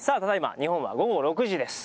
日本は午後６時です。